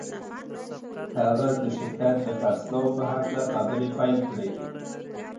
هغه د شرکت د خرڅلاو په هکله خبرې پیل کړې